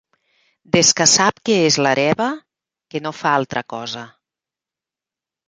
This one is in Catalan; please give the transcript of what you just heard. Des que sap que és l'hereva que no fa altra cosa.